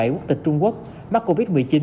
quốc tịch trung quốc mắc covid một mươi chín